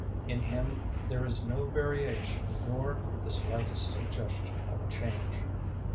In Him there is no variation nor the slightest suggestion of change.